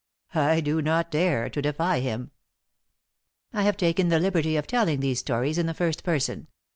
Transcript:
I do not dare to defy him. I have taken the liberty of telling these stories in the first person.